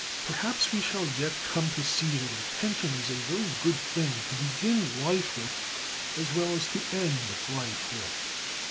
Perhaps we shall yet come to see that a pension is a very good thing to begin life with as well as to end life with.